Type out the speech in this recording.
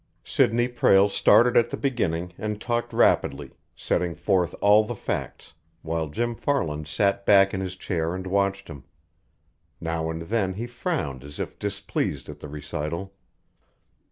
Sidney Prale started at the beginning and talked rapidly, setting forth all the facts, while Jim Farland sat back in his chair and watched him. Now and then he frowned as if displeased at the recital.